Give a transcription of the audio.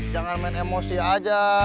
jangan main emosi aja